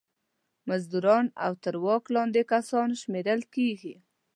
مزدوران او تر واک لاندې کسان شمېرل کیږي.